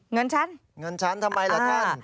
เงินฉันเงินฉันทำไมล่ะท่าน